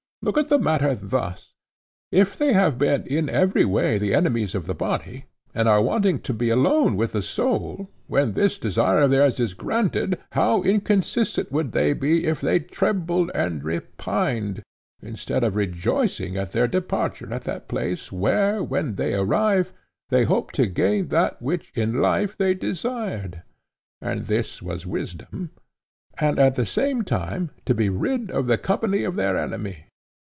Look at the matter thus:—if they have been in every way the enemies of the body, and are wanting to be alone with the soul, when this desire of theirs is granted, how inconsistent would they be if they trembled and repined, instead of rejoicing at their departure to that place where, when they arrive, they hope to gain that which in life they desired—and this was wisdom—and at the same time to be rid of the company of their enemy.